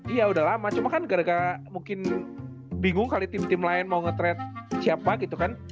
iya udah lama cuma kan gara gara mungkin bingung kali tim tim lain mau nge trade siapa gitu kan